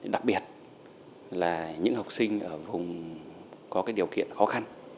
đặc biệt là những học sinh ở vùng có điều kiện khó khăn